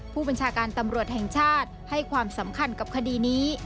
ผู้บัญชาการตำรวจแห่งชาติให้ความสำคัญกับคดีนี้